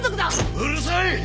うるさい